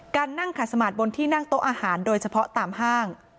นั่งขัดสมาร์ทบนที่นั่งโต๊ะอาหารโดยเฉพาะตามห้าง